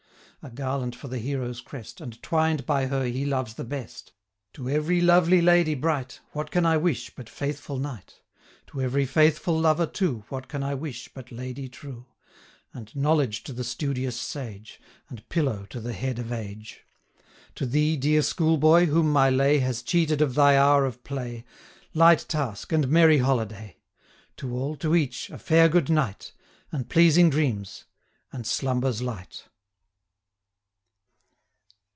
A garland for the hero's crest, And twined by her he loves the best; 10 To every lovely lady bright, What can I wish but faithful knight? To every faithful lover too, What can I wish but lady true? And knowledge to the studious sage; 15 And pillow to the head of age. To thee, dear school boy, whom my lay Has cheated of thy hour of play, Light task, and merry holiday! To all, to each, a fair good night, 20 And pleasing dreams, and slumbers light!